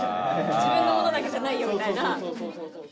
自分のものだけじゃないよみたいな。